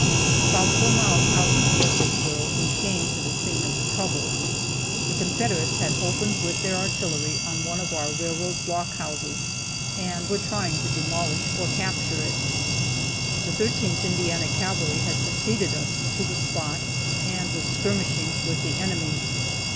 About four miles out from Murfreesboro we came to the scene of the trouble. The Confederates had opened with their artillery on one of our railroad block houses, and were trying to demolish or capture it. The 13th Indiana Cavalry had preceded us to the spot, and were skirmishing with the enemy.